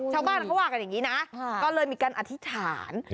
ชาวบ้านเขาว่ากันอย่างนี้นะก็เลยมีการอธิษฐาน